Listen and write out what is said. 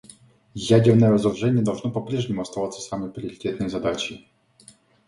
Ядерное разоружение должно по-прежнему оставаться самой приоритетной задачей.